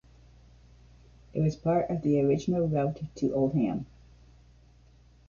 It was part of the original route to Oldham.